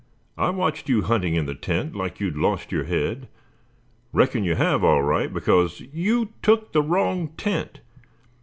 I watched you hunting in the tent like you'd lost your head. Reckon you have, all right, because you took the wrong tent!